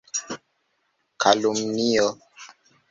Kalumnio.